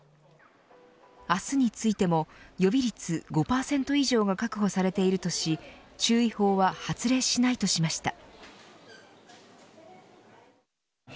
明日についても予備率５％以上が確保されているとし注意報は発令しないとしました。